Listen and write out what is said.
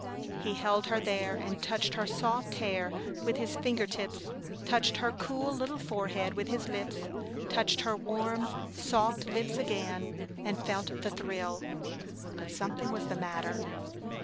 He held her there and touched her soft hair with his finger tips; touched her cool little forehead with his lips; touched her warm, soft lips again and felt the thrill; but something was the matter.